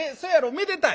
めでたい。